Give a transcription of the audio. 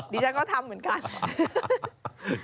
ดิฉันก็ทำเหมือนกัน